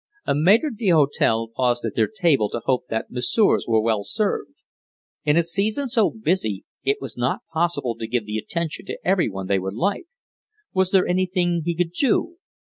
A maître d'hôtel paused at their table to hope that messieurs were well served. In a season so busy it was not possible to give the attention to every one they would like! Was there anything he could do?